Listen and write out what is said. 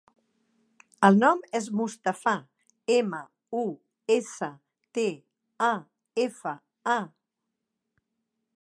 El nom és Mustafa: ema, u, essa, te, a, efa, a.